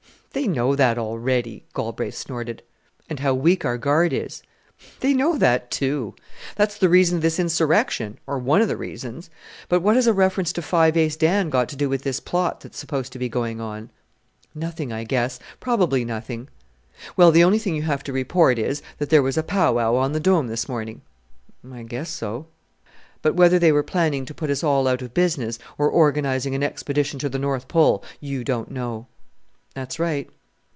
"They know that already," Galbraith snorted. "And how weak our guard is." "They know that, too. That's the reason of this insurrection, or one of the reasons. But what has a reference to Five Ace Dan got to do with this plot that is supposed to be going on?" "Nothing, I guess. Probably nothing!" "Well, the only thing you have to report is, that there was a pow wow on the Dome this morning." "I guess so." "But whether they were planning to put us all out of business, or organizing an expedition to the North Pole you don't know." "That's right."